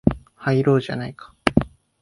入ろうじゃないか